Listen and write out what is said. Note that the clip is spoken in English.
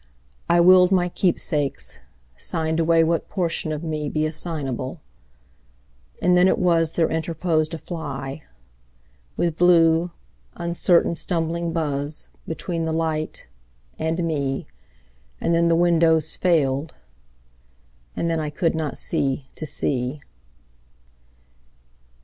I willed my keepsakes, signed away What portion of me I Could make assignable, and then There interposed a fly, With blue, uncertain, stumbling buzz, Between the light and me; And then the windows failed, and then I could not see to see.